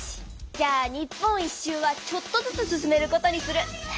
じゃあ日本一周はちょっとずつ進めることにする！